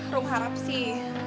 rum harap sih